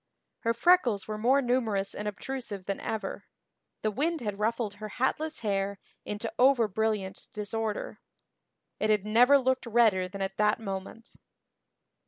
Her freckles were more numerous and obtrusive than ever; the wind had ruffled her hatless hair into over brilliant disorder; it had never looked redder than at that moment.